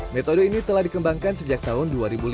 metode ini telah dikembangkan sejak tahun dua ribu lima